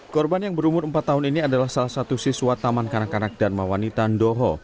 korban yang berumur empat tahun ini adalah salah satu siswa taman kanak kanak dharmawanita ndoho